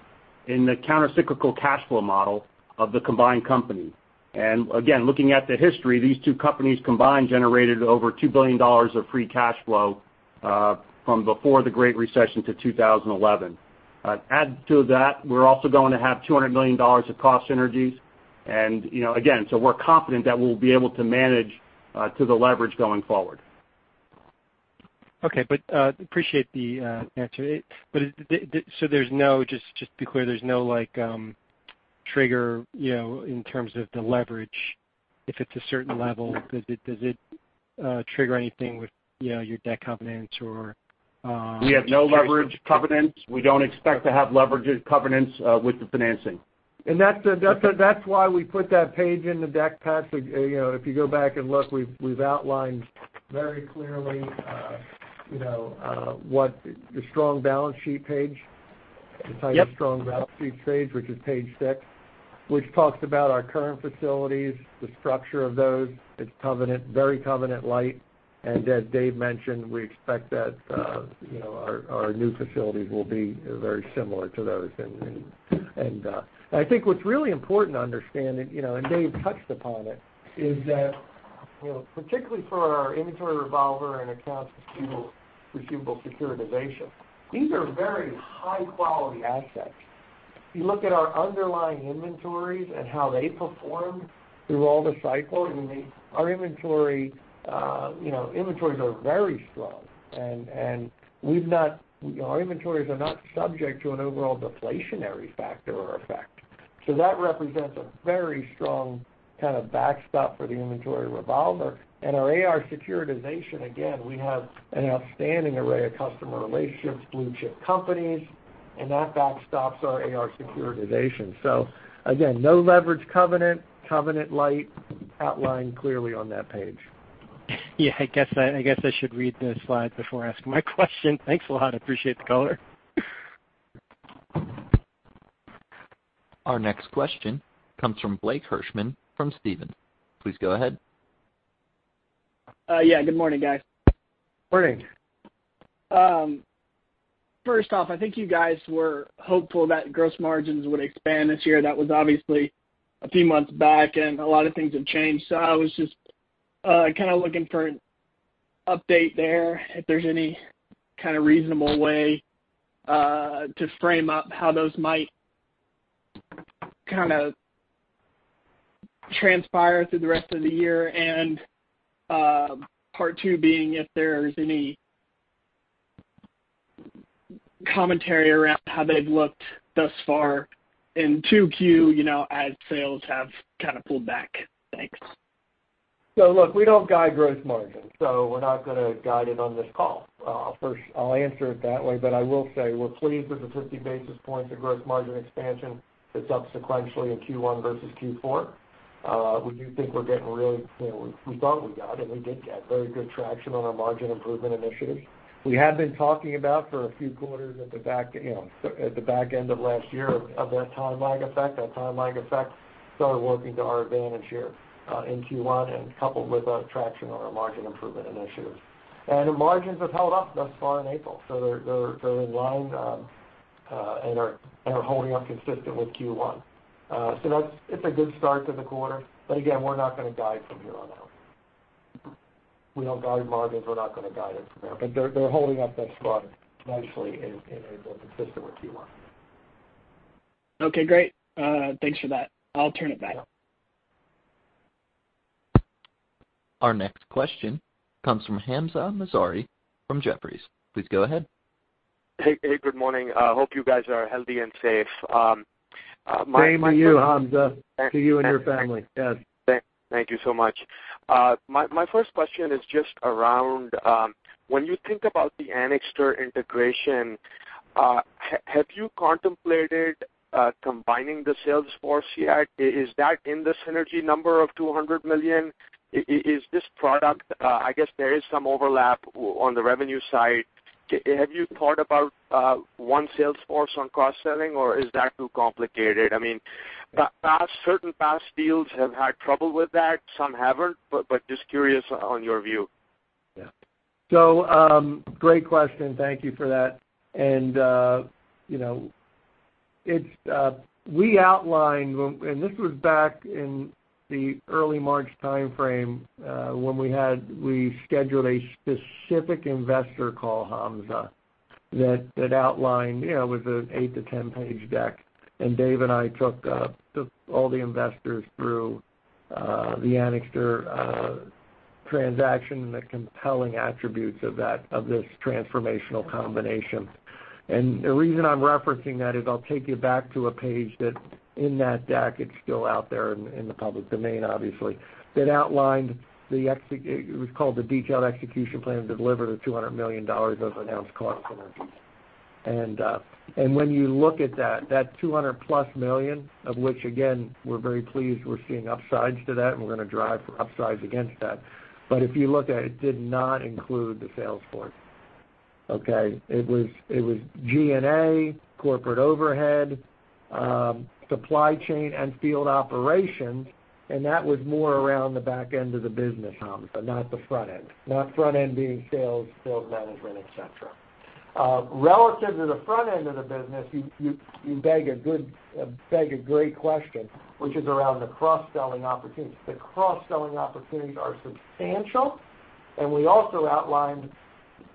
in the countercyclical cash flow model of the combined company. Again, looking at the history, these two companies combined generated over $2 billion of free cash flow from before the great recession to 2011. Add to that, we're also going to have $200 million of cost synergies, we're confident that we'll be able to manage to the leverage going forward. Okay. Appreciate the answer. Just to be clear, there's no trigger in terms of the leverage if it's a certain level? Does it trigger anything with your debt covenants or-? We have no leverage covenants. We don't expect to have leverage covenants with the financing. That's why we put that page in the deck, Pat. If you go back and look, we've outlined very clearly the strong balance sheet page. Yep. The title strong balance sheet page, which is page six, which talks about our current facilities, the structure of those. It's very covenant light, and as Dave mentioned, we expect that our new facilities will be very similar to those. I think what's really important to understand, and Dave touched upon it, is that particularly for our inventory revolver and accounts receivable securitization, these are very high quality assets. If you look at our underlying inventories and how they performed through all the cycles, inventories are very strong, and our inventories are not subject to an overall deflationary factor or effect. That represents a very strong kind of backstop for the inventory revolver. Our AR securitization, again, we have an outstanding array of customer relationships, blue chip companies, and that backstops our AR securitization. Again, no leverage covenant light, outlined clearly on that page. Yeah, I guess I should read the slide before asking my question. Thanks a lot. I appreciate the color. Our next question comes from Blake Hirschman from Stephens. Please go ahead. Yeah, good morning, guys. Morning. First off, I think you guys were hopeful that gross margins would expand this year. That was obviously a few months back and a lot of things have changed. I was just kind of looking for an update there, if there's any kind of reasonable way to frame up how those might kind of transpire through the rest of the year. Part two being if there's any commentary around how they've looked thus far in 2Q, as sales have kind of pulled back. Thanks. Look, we don't guide gross margin, so we're not going to guide it on this call. First, I'll answer it that way, but I will say we're pleased with the 50 basis points of gross margin expansion that's up sequentially in Q1 versus Q4. We thought we got, and we did get very good traction on our margin improvement initiatives. We have been talking about for a few quarters at the back-end of last year of that time lag effect. That time lag effect started working to our advantage here, in Q1 and coupled with our traction on our margin improvement initiatives. Margins have held up thus far in April, so they're in line and are holding up consistent with Q1. It's a good start to the quarter, but again, we're not going to guide from here on out. We don't guide margins. We're not going to guide it from there, but they're holding up thus far nicely and able and consistent with Q1. Okay, great. Thanks for that. I'll turn it back. Our next question comes from Hamzah Mazari from Jefferies. Please go ahead. Hey. Good morning. Hope you guys are healthy and safe. Same to you, Hamzah. To you and your family. Yes. Thank you so much. My first question is just around, when you think about the Anixter integration, have you contemplated combining the sales force yet? Is that in the synergy number of $200 million? I guess there is some overlap on the revenue side. Have you thought about one sales force on cross-selling, or is that too complicated? I mean, certain past deals have had trouble with that, some haven't, but just curious on your view. Yeah. Great question. Thank you for that. We outlined, and this was back in the early March timeframe, when we scheduled a specific investor call, Hamzah, that outlined, it was an 8 to 10-page deck. Dave and I took all the investors through the Anixter transaction and the compelling attributes of this transformational combination. The reason I'm referencing that is I'll take you back to a page that in that deck, it's still out there in the public domain, obviously. It was called the detailed execution plan to deliver the $200 million of announced cost synergies. When you look at that $200+ million, of which again, we're very pleased we're seeing upsides to that, and we're going to drive for upsides against that. If you look at it did not include the sales force. Okay. It was G&A, corporate overhead, supply chain, and field operations. That was more around the back-end of the business, Hamzah, not the front end. Not front-end being sales, field management, et cetera. Relative to the front-end of the business, you beg a great question, which is around the cross-selling opportunities. The cross-selling opportunities are substantial. We also outlined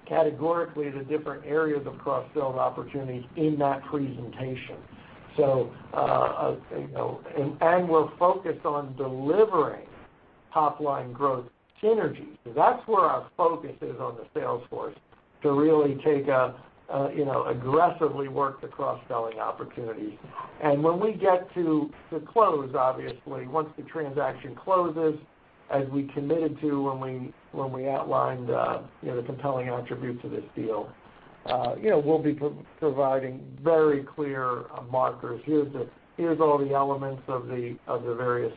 categorically the different areas of cross-selling opportunities in that presentation. We're focused on delivering top-line growth synergies. That's where our focus is on the sales force to really aggressively work the cross-selling opportunities. When we get to the close, obviously, once the transaction closes, as we committed to when we outlined the compelling attribute to this deal, we'll be providing very clear markers. Here's all the elements of the various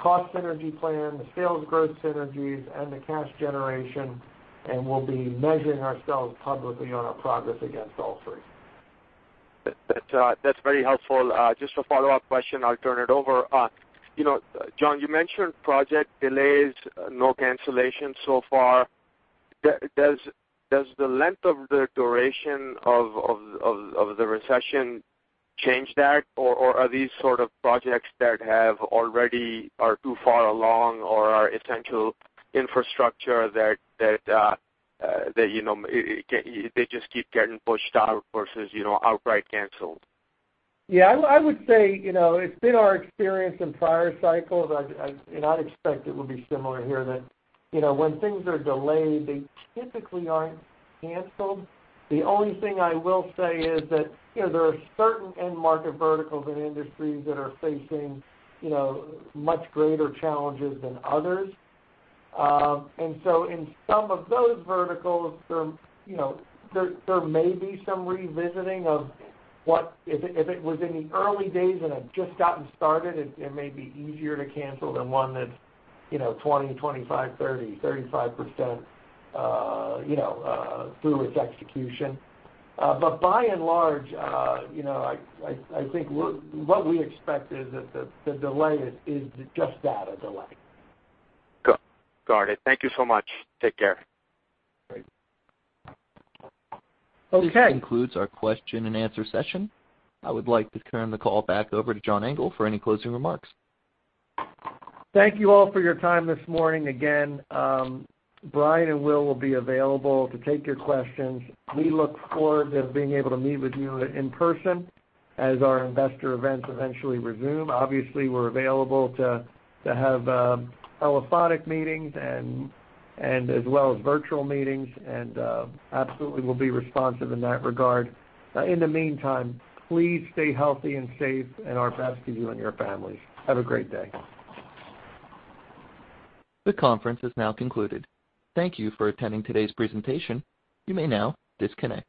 cost synergy plan, the sales growth synergies, and the cash generation, and we'll be measuring ourselves publicly on our progress against all three. That's very helpful. Just a follow-up question, I'll turn it over. John, you mentioned project delays, no cancellations so far. Does the length of the duration of the recession change that? Are these sort of projects that have already are too far along or are essential infrastructure that they just keep getting pushed out versus outright canceled? Yeah, I would say, it's been our experience in prior cycles, and I'd expect it would be similar here, that when things are delayed, they typically aren't canceled. The only thing I will say is that there are certain end market verticals and industries that are facing much greater challenges than others. In some of those verticals, there may be some revisiting of what, if it was in the early days and had just gotten started, it may be easier to cancel than one that's 20%, 25%, 30%, 35% through its execution. By and large, I think what we expect is that the delay is just that, a delay. Got it. Thank you so much. Take care. Great. Okay. This concludes our question and answer session. I would like to turn the call back over to John Engel for any closing remarks. Thank you all for your time this morning. Again, Brian and Will will be available to take your questions. We look forward to being able to meet with you in person as our investor events eventually resume. Obviously, we're available to have telephonic meetings and as well as virtual meetings and absolutely will be responsive in that regard. In the meantime, please stay healthy and safe and our best to you and your families. Have a great day. The conference is now concluded. Thank you for attending today's presentation. You may now disconnect.